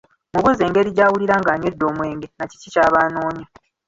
Mubuuze engeri gy’awulira ng’anywedde omwenge, na kiki ky’aba anoonya.